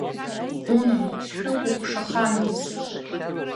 Унан, сшәыкәыхшахандаз!